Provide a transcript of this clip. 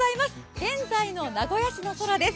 現在の名古屋市です。